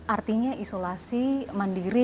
artinya isolasi mandiri